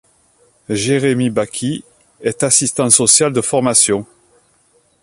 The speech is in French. Jérémy Bacchi est assistant social de formation.